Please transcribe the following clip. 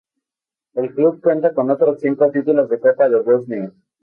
El club cuenta con otros cinco títulos de Copa de Bosnia.